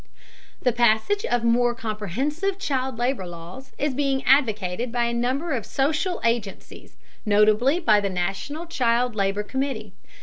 The passage of more comprehensive child labor laws is being advocated by a number of social agencies, notably by the National Child Labor Committee.